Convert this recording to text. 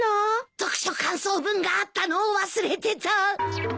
読書感想文があったのを忘れてた。